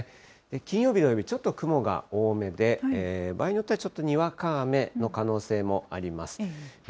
金曜日、土曜日、ちょっと雲が多めで、場合によってはちょっとにわか雨の可能性もあります。